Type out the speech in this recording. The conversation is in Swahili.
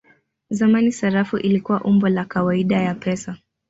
Zamani sarafu ilikuwa umbo la kawaida ya pesa.